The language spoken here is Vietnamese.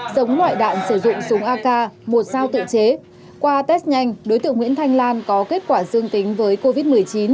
giống ngoại đạn sử dụng súng ak một dao tự chế qua test nhanh đối tượng nguyễn thanh lan có kết quả dương tính với covid một mươi chín